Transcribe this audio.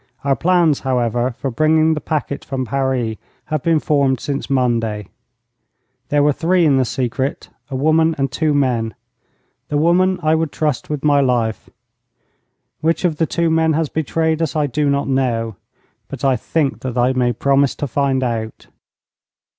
Our plans, however, for bringing the packet from Paris have been formed since Monday. There were three in the secret, a woman and two men. The woman I would trust with my life; which of the two men has betrayed us I do not know, but I think that I may promise to find out.'